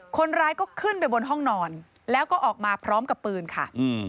คนร้ายก็ขึ้นไปบนห้องนอนแล้วก็ออกมาพร้อมกับปืนค่ะ